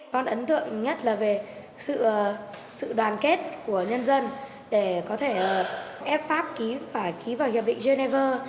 con ấn tượng nhất là về sự đoàn kết của nhân dân để có thể ép pháp ký và ký vào hiệp định geneva